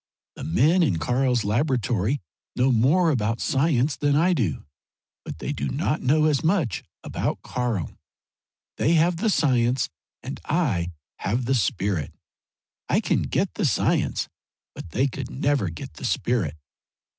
The men in Karl's laboratory know more about science than I do. But they do not know as much about Karl. They have the science and I have the spirit. I can get the science but they could never get the spirit.